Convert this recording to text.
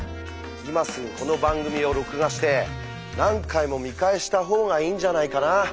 今すぐこの番組を録画して何回も見返した方がいいんじゃないかな。